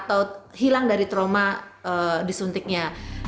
atau hilang dari trauma disuntiknya